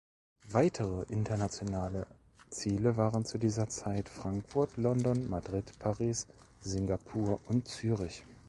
Weitere internationale Ziele waren zu dieser Zeit Frankfurt, London, Madrid, Paris, Singapur und Zürich.